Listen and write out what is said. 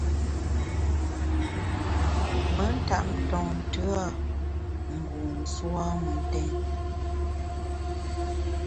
Me ntap ntonte a ngu nsù a mentèn.